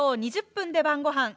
２０分で晩ごはん」